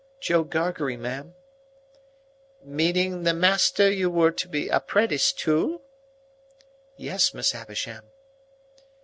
"Joe Gargery, ma'am." "Meaning the master you were to be apprenticed to?" "Yes, Miss Havisham."